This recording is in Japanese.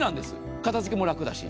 片づけも楽だし。